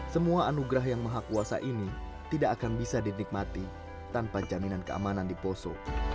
semua anugerah yang maha kuasa ini tidak akan bisa dinikmati tanpa jaminan keamanan di poso